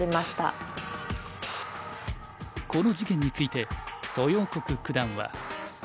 この事件について蘇耀国九段は。